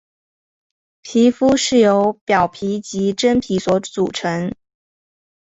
皮肤是由表皮及真皮所组成。